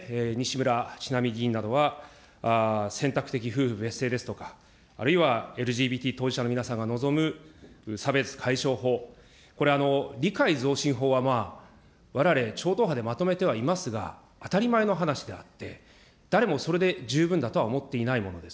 そして、西村智奈美議員などは、選択的夫婦別姓ですとか、あるいはＬＧＢＴ当事者の皆さんが望む差別解消法、これ、理解増進法はまあ、われわれ超党派でまとめてはいますが、当たり前の話であって、誰もそれで十分だとは思っていないものです。